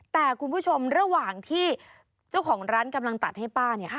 แต่คุณผู้ชมระหว่างที่เจ้าของร้านกำลังตัดให้ป้าเนี่ย